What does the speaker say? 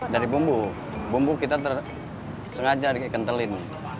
dari bumbu bumbu kita sengaja dikentelin